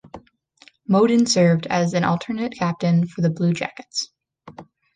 Modin served as an alternate captain for the Blue Jackets.